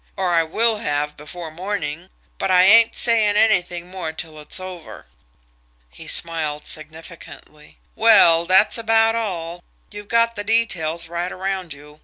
"Or I will have before morning but I ain't saying anything more till it's over." He smiled significantly. "Well, that's about all. You've got the details right around you.